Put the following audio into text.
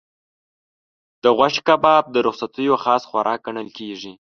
د غوښې کباب د رخصتیو خاص خوراک ګڼل کېږي.